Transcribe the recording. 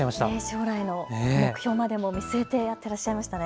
将来の目標まで見据えてやっていましたね。